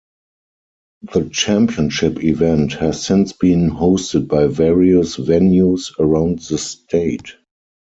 The championship event has since been hosted by various venues around the state.